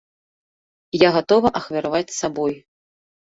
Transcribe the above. Я гатова ахвяраваць сабой.